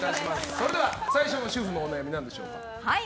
それでは最初の主婦のお悩みは何でしょうか。